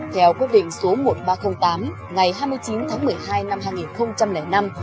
theo quyết định số một nghìn ba trăm linh tám ngày hai mươi chín tháng một mươi hai năm hai nghìn năm